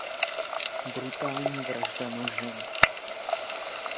Brutální vražda nožem.